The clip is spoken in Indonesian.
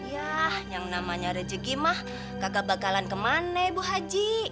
ya yang namanya rejeki mah kagak bakalan kemana ibu haji